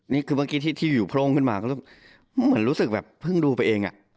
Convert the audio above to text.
นี่คือเมื่อกี้ที่อยู่โพรงขึ้นมาเหมือนรู้สึกแบบเพิ่งดูไปเอง